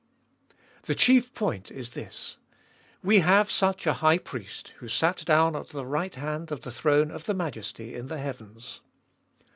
The chief point is this : We have such a High Priest, who sat down at the right hand of the throne of the Majesty in the heavens.